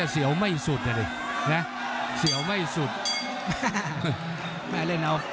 เสี้๋วไปเสี้๋วมาละ